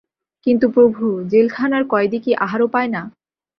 কিন্তু প্রভু, জেলখানার কয়েদি কি আহারও পায় না।